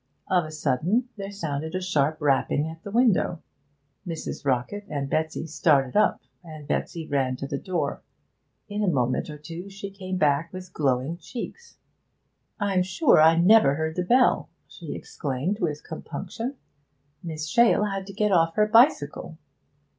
Of a sudden there sounded a sharp rapping at the window. Mrs. Rockett and Betsy started up, and Betsy ran to the door. In a moment or two she came back with glowing cheeks. 'I'm sure I never heard the bell!' she exclaimed with compunction. 'Miss Shale had to get off her bicycle!'